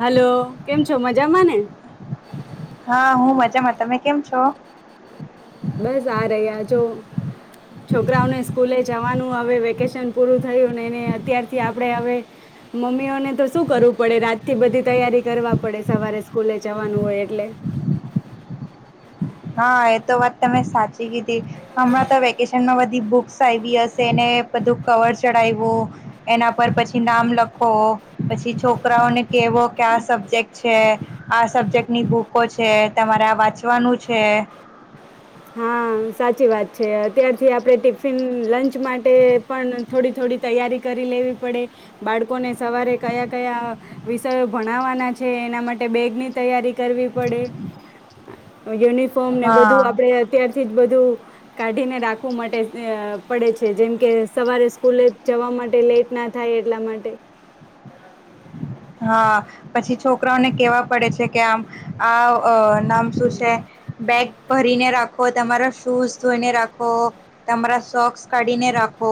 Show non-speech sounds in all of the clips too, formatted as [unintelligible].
Hello કેમ છો મજામાં ને. હા હું મજામાં તમે કેમ છો. બસ આ રહહી્યા જો છોકરાઓને સ્કૂલે જવાનું હવે વેકેશન પૂરું થયું ને એને અત્યારથી આપણે હવે મમ્મીઓને તો શું કરવું પડે રાતથી બધી તૈયારી કરવા પડે સવારે સ્કૂલે જવાનું હોય એટલે. હા એ તો વાત તમે સાચી કીધી. હમણાં તો વેકેશનમાં. બધી બુક્સ આવી હશે એને બધું કવર ચડાવું એના પર પછી નામ લખો પછી છોકરાઓને કેવો ક્યા સબ્જેક્ટ છે આ સબ્જેક્ટની બુકો છે તમારે આ વાંચવાનું જ. છે. હા સાચી વાત છે અત્યારથી આપણે ટિફિન લંચ માટે પણ થોડી થોડી તૈયારી કરી લેવી પડે બાળકોને સવારે કયા કયા વિષયો ભણાવવાના છે એના માટે બેગની તૈયારી કરવી પડે યુનિ. ફોર્મ ને વધુ હા આપ. અત્યારથી જ બધું કાઢીને રાખવું માટે પડે છે જેમ કે સવારે સ્કૂલે જવા માટે લેટ ના થાય એટલા માટે. હા પછી છોકરાઓને કેવા પડે છે કે આમ આ. નામ શું છે બેગ ભરીને રાખ. રાો તમારા શૂઝ ધોઈને રાખો તમારા સોક્સ કાઢીને રાખો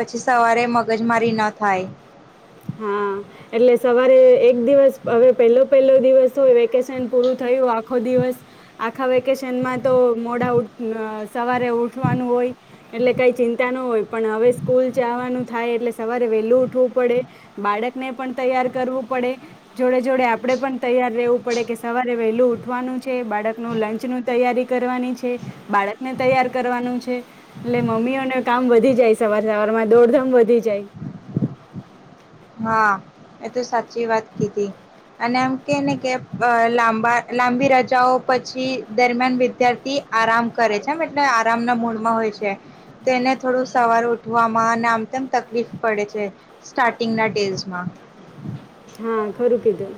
પછી સવારે મગજમારી ના થાય. હા એટલે સવારે એક. દિવસ હવે પહેલો. પેલો દિવસ થય વેકેશન પૂરું થયું. આખો દિવસ આ. આખા વેકેશનમાં તો મોડા સવારે ઉઠવાનું હોય એટલે કાંઈ ચિંતા ન હોય પણ હવે સ્કૂલ જવાનું થાય એટલે સવારે વહેલું ઉઠવું પડે બાળકને પણ તૈયાર કરવું પડે જોડે જોડે આપડે પણ તૈયાર રહેેવું પડે કે સવારે વહેલું ઉઠવાનું છે બાળકનું લંચ ન તૈયારી કરવાની છે બાળકને તૈયાર કરવાનું છે એટલે મમ્મીઓને કામ વધી જાય સવાર સવારમાં દોડધમ વધી જાય. હા એ તો સાચી વાત કીધી અને એમ કે ને કે લાંબા લાંબી રજાઓ પછી દરમિયાન વિદ્યાર્થી આરામ કરે છે એમ એટલે આરામના મૂળમાં હોય છે તો એને થોડું સવાર ઉઠવામાં અને આમ તેમ તકલીફ પડે છે સ્ટાર્ટ. [unintelligible] ટેસમાં. હા ખરું કીધું.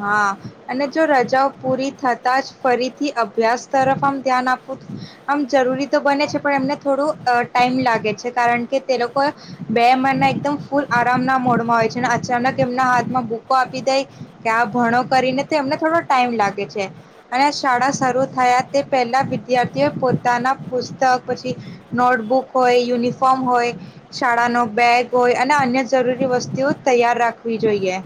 હા અને જો રજાઓ પૂરી થતા જ ફરીથી અભ્યાસ તરફ આમ ધ્યાન આપવું આમ જરૂરી તો બને છે પણ એમને થોડું ટાઈમ લાગે છે કારણ કે તે લોકો બે મહિના એકદમ ફૂલ આરામના મોડમાં હોય છે અને અચાનક. તેમમના હાથમાં ભૂકો આપી દાય. કે આ ભણો કરીને તે એમને થોડો ટાઈમ લાગે છે અને શાળા શરૂ થયા તે પહેલા વિદ્યાર્થીઓ પોતાના પુસ્તક પછી નોટબુક હોય યુનિફોર્મ હોય શાળાનો બેગ હોય અને અન્ય જરૂરી વસ્તુઓ તૈયાર રાખવી જોઈએ.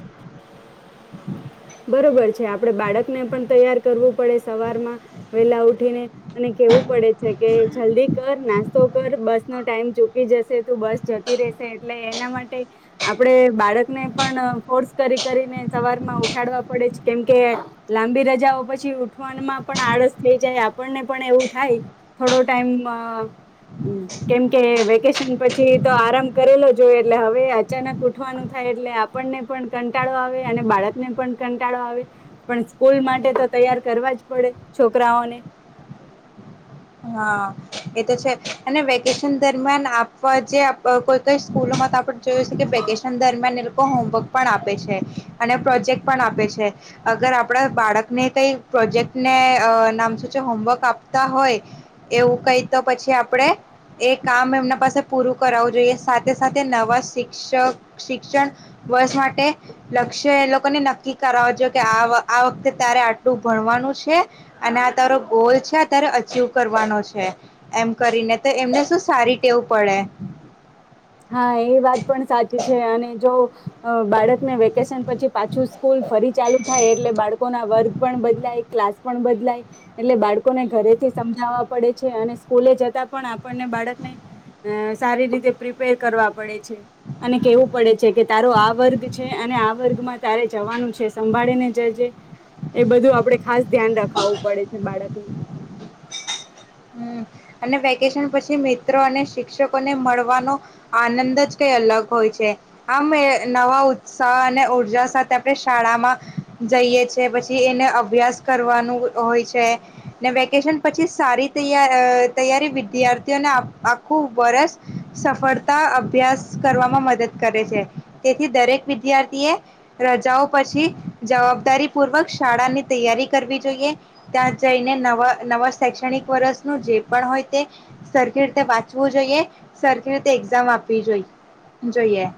હમ. [inaudible] બરોબર છે આપડે બાળક ને પણ તૈયાર કરવું પડે સવારમાં, વેલા ઉઠીને, અને કેવું પડે છે કે જલ્દી કર નાસ્તો કર બસ નો ટાઈમ ચૂકી જશે તો બસ જતી રહેશે એટલે એના માટે, આપણે બાળકને પણ ફોર્સ કરી કરીને સવારમાં ઉ ાવા પડે છે, કેમકે લાંબી રજાઓ પછી ઉઠવામાં પણ આળસ થઈ જાય આપણને પણ એવું થાય, થોડો ટાઈમ કેમકે વેકેશન પછી તો આરામ કરેલો જોય એટલે હવે અચાનક ઉઠવાનું થાય એટલે આપણને પણ કંટાળો આવે અને બાળક ને પણ કંટાળો આવે, પણ સ્કૂલ માટે તો તૈયાર કરવા જ પડે છોકરાઓને. હા એ તો છે અને વેકેશન દરમિયાન આપવા જે કોઈ કઈ સ્કૂલોમાં તો આપણે જોયું છે કે વેકેશન દરમિયાન એ લોકો હોમવર્ક પણ આપે છે અને પ્રોજેક્ટ પણ આપે છે અગર આપણા બાળકને કઈ પ્રોજેક્ટ ને નામ શ જે હોમવર્ક આપતા હોય. એવું કઈ તો પછી આપણેે એ કામ એમના પાસે પૂરું કરાવવું જોઈએ સાથે સાથે નવા શિક્ષક શિક્ષણ વર્ષ માટે લક્ષ્ય એ લોકોને નક્કી કર જોઈએ કે આ વખતે તારે આટલું ભણવાનું છે અને આ તારો ગોલ છે આ તારે અચિવ કરવાનો છે, એમ કરીને તો એમને શું સારી ટેવું પડે. હા એ વાત પણ સાચી છે અને જો, બાળકને વેકેશન પછી પાછું સ્કૂલ ફરી ચાલુ થાય એટલે બાળકો ના વર્ગ પણ બદલાય ક્લાસ પણ બદલાય, એટલે બાળકોને ઘરેથી સમજાવવા પડે છે અને સ્કૂલે જતા પણ આપણને બાળકને, સારી રીતે પ્રિપેર કરવા પડે છે, અને કેવું પડે છે કે તારો આ વર્ગ છે અને આ વર્ગમાં તારે જવાનું છે સંભાળી ને એ બધું આપડે ખાસ ધ્યાન રખાવવું પડે છે બાળકનું. અનેે વેકેસન પછ મિત્રો અને શિક્ષકો ને મળવાનો, આનંદ જ કઈ અલગ હોય છે, આમ નવા ઉત્સાહ અને ઉર્જા સાથે આપણે શાળામાં, જઈએ છે પછી એને અભ્યાસ કરવાનું હોય છે, ને વેકેશન પછી સારી તૈ તૈયારી વિદ્યાર્થીઓને આખું વર્ષ, સફળતા અભ્યાસ કરવામાં મદદ કરે છે, તેથી દરેક વિદ્યાર્થીએ, રજાઓ પછી જવાબદારી પૂર્વક શાળાની તૈયારી કરવી જોઈએ, ત્યાં જઈને નવા નવા શૈક્ષણિક વર્ષનું જે પણ હોય તે, સરખી રીતે વાંચવું જોઈએ, સરખી રીતે એક્ઝામ આપવી જોઈ જોઈએ.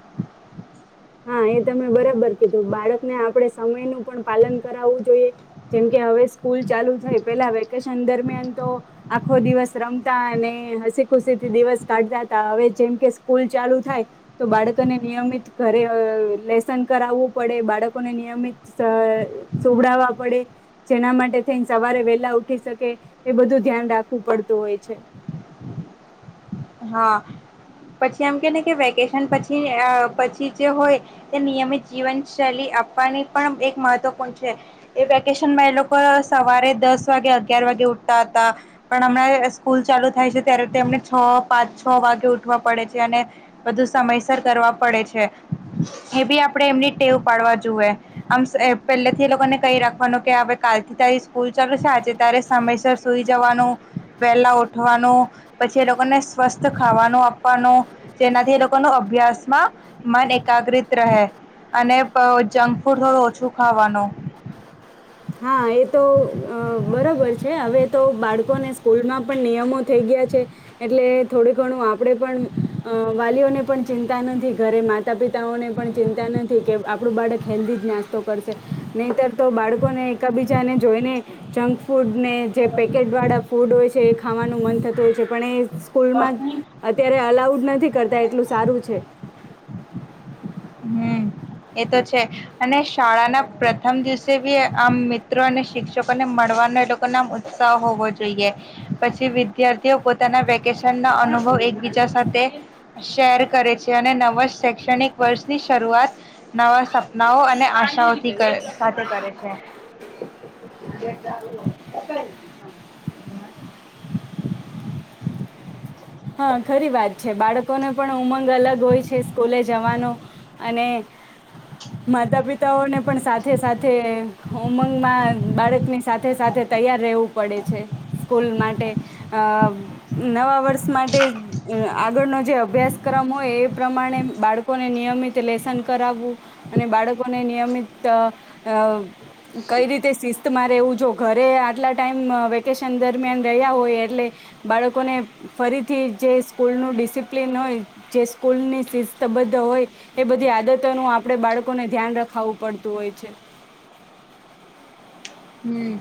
હા એ તમે બરાબર કીધું બાળકને આપડે સમયનું પણ પાલન કરાવવું જોઈએ. જેમકે હવે સ્કૂલ ચાલુ થઈ પેલા વેકેશન દરમિયાન તો આખો દિવસ રમ અને હસી ખુશીથી દિવસ કાઢતા હતા હવે જેમ કે સ્કૂલ ચાલુ થાય, તો બાળકોને નિયમિત ઘરે લેસન કરાવવું પડે બાળકોને નિયમિત સંભડાવવા પડે, જેના માટે થઈને સવારે વેલા ઉઠી શકે, એ બધું ધ્યાન રાખવું પડતું હોય છે. હા, પછી એમ કે ને કે વેકેશન પછી પછી જે હોય, એ નિયમિત જીવનશૈલી આપવાની પણ એક મહત્ત્વપૂર્ણ છે, એ વેકેશનમાં એ લોકો સવારે દસ વાગે અગિયાર વાગે ઉઠતા હતા, પણ હમણાં સ્કૂલ ચાલુ થાય છે ત્યારે તો એમને છ પાંચ છ વાગે ઉઠવા પડે છે અને, બધુ સમયસર કરવા પડે છે, એ બી આપડે એમની ટેવ પાડવા જોએ, આમ પહેલેથી એ લોકોને કહી રાખવાનું કે આપ કાલ થી ત સ્કૂલ ચાલુ છે આજે ત્યારે સમયસર સુઈ જવાનું, વહેલા ઉઠવાનું, પછી એ લોકોને સ્વસ્થ ખાવાનું આપવાનો, જેનાથી એ લોકો ન અભ્યાસમાં મન એકાગ્રિત રહે, અને જંક ફૂડ થોડું ઓછું ખાવાનું. હા એ તો બરાબર છે હવે તો બાળકોને સ્કૂલમાં પણ નિયમો થઈ ગયા છે એટલે થોડું ઘણું આપણે પણ વાલીઓને પણ ચિંતા નથી ઘરે માતા પિતાઓને પણ ચિંતા નથી કે આપણું બાળક હેલ્ધી જ નાસ્તો કરશે નહીતર તો બાળકોને એકબીજાને જોઈને. જંક ફૂડને જે પેકેટવાળા ફૂડ હોય છે એ ખાવાનું મન થતું હોય છે પણ એ સ્કૂલમાં અત્યારે અલાઉડ નથી. કરતા એટલું સારું છે. હમ એ તો છે, અને શાળાના પ્રથમ દિવસે બી આમ મિત્રો અને શિક્ષકોને મળવાનો એ લોકો ના આમ ઉત્સાહ હોવો જોઈએ, પછી વિદ્યાર્થીઓ પોતાના વેકેશન ના અનુભવ એકબીજા સાથે શેર કરે છે, અને નવા શૈક્ષણિક વર્ષની શરૂઆત નવા સપનાઓ અને આશાઓથી સાથે કરે છે. હા ખરી વાત છે બાળકોને પણ ઉમંગ અલગ હોય છે સ્કૂલે જવાનો, અને માતા પિતાઓને પણ સાથે સાથે ઉમંગમાં બાળકની સાથે સાથે તૈયાર રહેવું પડે છે, સ્કૂલ માટે. અ નવા વર્ષ માટે આગળનો જે અભ્યાસક્રમ હોય એ પ્રમાણે બાળકોને નિયમિત તે લેેશન કરાવવું અને બાળકોને નિયમિત અ કઈ રીતે શિસ્તમાં રહેવું. જો ઘરે આટલા ટાઈમ વેકેશન દરમિયાન રહ્યા હોય એટલે બાળકોને ફરીથી જે સ્કૂલ નું ડિસિપ્લિન હોય જે સ્કૂલની શિસ્તબદ્ધ હોય એ બધી આદતોનું આપણેે બાળકોને ધ્યાન રખાવું પડતું હોય છે. હમ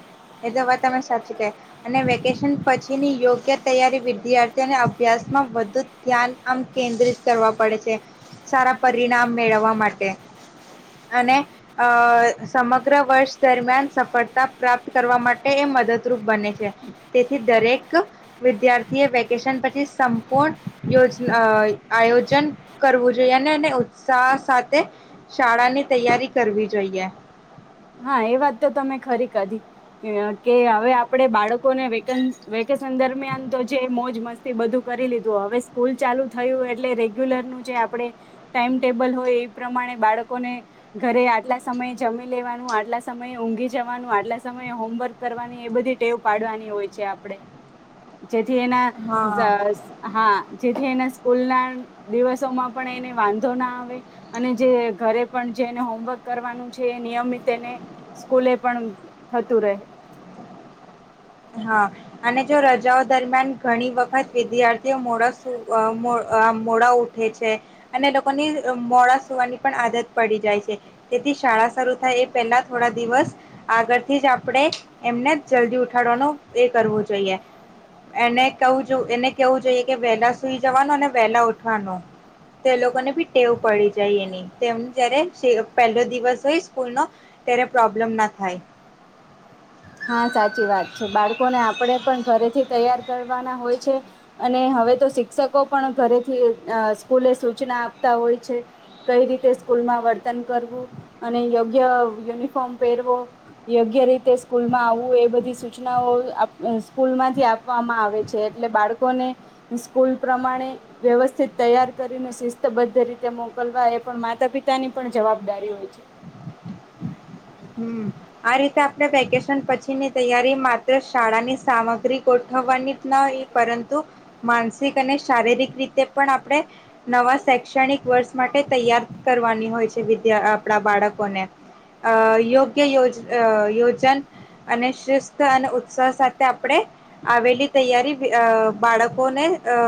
એ તો વાત તમે સાચી કહિ અને વેકેશન પછીની યોગ્ય તૈયારી વિદ્યાર્થીઓને અભ્યાસ માં વધુ ધ્યાન આમ કેન્દ્રિત કરવા પડે છે સારા પરિણામ મેળવવા માટે અને અ સમગ્ર વર્ષ દરમિયાન સફળ તા પ્રાપ્ત કરવા માટે એ મદદરૂપ બને છે તેથી દરેક વિદ્યાર્થી એ વેકેશન પછી સંપૂર્ણ યોજ આયોજન કરવું જોઈએ અને ઉત્સાહ સાથે શાળાની તૈયારી કરવી જોઈએ. હા એ વાત તો તમે ખરી કરી કે હવે આપડે બાળકોને વેકન વે કેસન દરમિયાન તો જે મોજ મ બધુ કરી લીધું હવે સ્કૂલ ચાલુ થયું એટલે રેગ્યુલર નું જે આપણે ટાઈમ ટેબલ હોય એ પ્રમાણે બાળકોને ઘરે આટલા સમય જમી લેવા નું આટલા સમયે ઊંઘી જવાનું આટલા સમયે હોમવર્ક કરવાની એ બધી ટેવ પાડવાની હોય છે આપણે જેથ થી એના હા [unintelligible] હા જે જે એના સ્કૂલ ના દિવસોમાં પણ એને વાંધો ના આવે અને જે ઘરે પણ જે એને હોમવર્ક કરવાનું છે એ નિયમિત તેને સ્કૂલે પણ થતું રહે. હા અને જો રજાઓ દરમિયાન ઘણી વખત વિદ્યાર્થીઓ મોડા સુ અ મો અ મોડા ઉઠે છે અને લોકોની મોડા સુવાની પણ આદત પડી જાય છે તેથી શાળા શરૂ થાય એ પહેલા થોડા દિવસ આગળથી જ આપણે એમને જલ્દી ઉઠ ઉઠાડવાનું એ કરવું જોઈએ એને કવુ એને કેવું જોઈએ કે વહેલા સુઈ જવાનું અને વહેલા ઉઠવાનું તે લોકોને બી ટેવ પડી જાય એની તેમ ત્યારે પહેલો દિવસ હોય સ્કૂલનો ત્યારે પ્રોબ્લેમ ના થાય. હા સાચી વાત છે બાળકોને આપણે પણ ઘરેથી તૈયાર કરવાના હોય છે અને હવે તો શિક્ષકો પણ ઘરેથી સ્કૂલે સૂચના આપતા હોય છે કઈ રીતે સ્કૂલમાં વર્તન કરવું અને યોગ્ય યુનિફોર્મ પહેરવો યોગ્ય રીતે સ્કૂલમાં આવવું એ બધી સૂચનાઓ સ્કૂલમાંથી આપવામાં આવે છે એટલે બાળકોને સ્કૂલ પ્રમાણે વ્યવસ્થિત તૈયાર કરીને શિસ્તબદ્ધ રીતે મોકલવા એ પણ માતા પિતાની પણ જવાબદારી હોય છે. હમ્મ આ રીતે આપણે વેકેશન પછીની તૈયારી માત્ર શાળાની સામગ્રી ગોઠવાની નઈ પરંતુ માનસિક અને શારીરિક રીતે પણ આપણે નવા શૈક્ષણિક વર્ષ માટે તૈયાર કરવાની હોય છે વિદ્યા આપણા બાળકોને. અ ઈ. કે યોજ અ યોજન, અને શિસ્ત અને ઉત્સાહ સાથે આપણે, આવેલી તૈયારી અ બાળકોને અ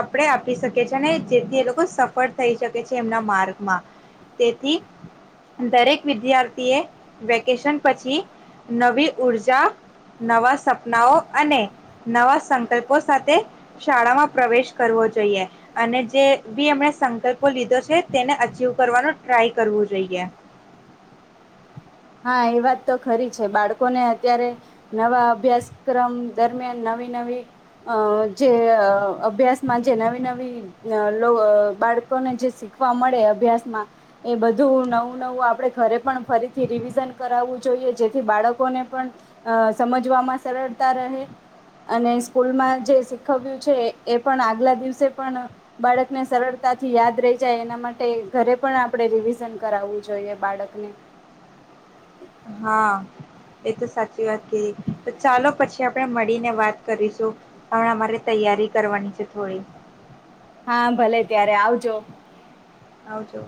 આપણે આપી શકીએ છીએ અને જેથી એ લોકો સફળ થઈ શકે છે એમના માર્ગમાં, તેથી દરેક વિદ્યાર્થી એ વેકેશન પછી, નવી ઊર્જા નવા સપનાઓ અને નવા સંકલ્પો સાથે, શાળામાં પ્રવેશ કરવો જોઈએ, અને જે બી એમણે સંકલ્પો લીધો છે તેને અચિવ કરવાનો ટ્રાય કરવો જોઈએ. હા એ વાત તો ખરી છે બાળકોને અત્યારે, નવા અભ્યાસક્રમ દરમિયાન નવી નવી અ જે અભ્યાસમાં જે નવી નવી અ લો બાળકોને જે શીખવા મળે અભ્યાસમાં, એ બધું નવું નવું આપણે ઘરે પણ ફરી થી રિવિઝન કરાવવું જોઈએ જેથી બાળકોને પણ, સમજવામાં સરળતા રહે, અને સ્કૂલમાં જે શીખવ્યું છે એ પણ આગલા દિવસે પણ બાળકને સરળતાથી યાદ રહી જાય એના માટે ઘરે પણ આપણે રિવિઝન કરાવવું જોઈએ બાળકને. હા, એ તો સાચી વાત કીધી તો ચાલો પછી આપણે મળીને વાત કરીશું, પણ અમારે તૈયારી કરવાની છે થોડી. હા ભલે ત્યારે આવજો. આવ જો.